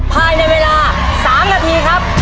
ภายในเวลา๓นาทีครับ